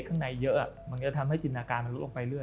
จะทำให้การเริ่มนี้ต้องจินละกาลคงลุ่มไปเรื่อย